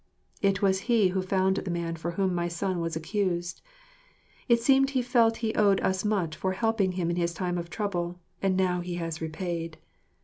It was he who found the man for whom my son was accused. It seemed he felt he owed us much for helping him in his time of trouble, and now he has repaid.